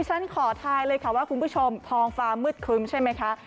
ฉันขอทายเลยค่ะว่าคุณผู้ชมท้องฟ้ามืดครึ้มใช่ไหมคะ